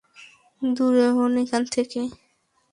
দূর হোন এখান থেকে।